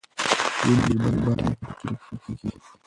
ځينې ژباړې ټکي په ټکي کېږي.